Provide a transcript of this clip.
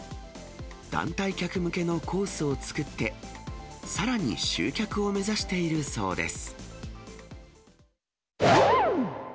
団体客向けのコースを作って、さらに集客を目指しているそうです。